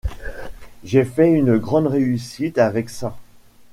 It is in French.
J'ai fait une grande réussite avec ça.